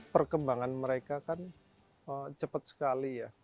perkembangan mereka kan cepat sekali ya